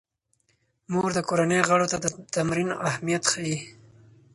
مور د کورنۍ غړو ته د تمرین اهمیت ښيي.